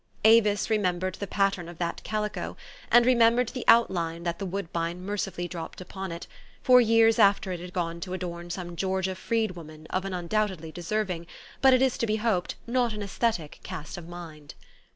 Avis remembered the pattern of that calico, and remembered the outline that the woodbine mercifully dropped upon it, for years after it had gone to adorn some Georgia freedwoman of an undoubtedly deserving, but, it is to be hoped, not an aesthetic cast of mind.